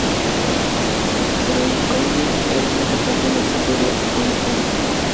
El encomio era un importante ejercicio de oratoria.